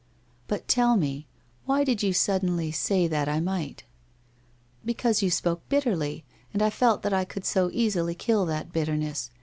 But tell me, why did you suddenly say that I might ?'' Because you spoke bitterly, and I felt that I could so easily kill that bitterness.